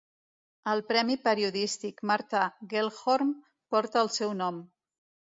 El premi periodístic Martha Gellhorn porta el seu nom.